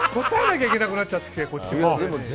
答えなきゃいけなくなっちゃってこっちも。